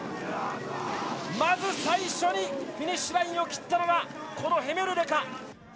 まず最初にフィニッシュラインを切ったのは、このヘメルレか？